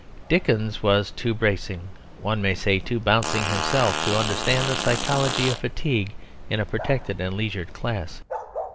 Dickens was too bracing, one may say too bouncing himself to understand the psychology of fatigue in a protected and leisured class.